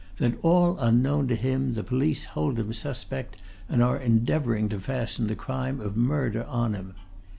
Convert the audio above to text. that all unknown to him the police hold him suspect, and are endeavouring to fasten the crime of murder on him.